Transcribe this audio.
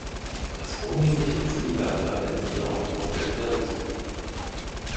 Das vornehmliche Ziel lag daher im Wiederaufbau der Pferdezucht.